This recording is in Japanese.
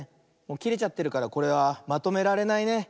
きれちゃってるからこれはまとめられないね。